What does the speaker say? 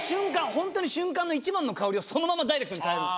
本当に瞬間の一番の香りをそのままダイレクトに嗅げるの。